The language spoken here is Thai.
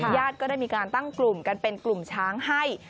ญาติก็ได้มีการตั้งกลุ่มกันเป็นกลุ่มช้างให้